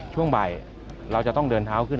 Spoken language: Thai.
ช่วงบ่ายเราจะต้องเดินเท้าขึ้น